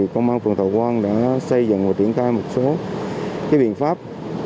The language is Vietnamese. công an phường thọ quang đã xây dựng và triển khai một số biện pháp